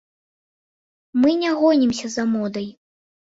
Мы не гонімся за модай.